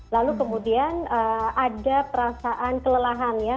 lalu kemudian ada perasaan kelelahan ya